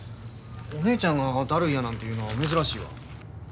お姉ちゃんがだるいやなんて言うの珍しいわ。